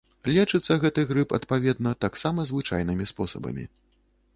Лечыцца гэты грып, адпаведна, таксама звычайнымі спосабамі.